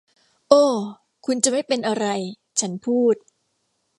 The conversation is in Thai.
โอ้ คุณจะไม่เป็นอะไร ฉันพูด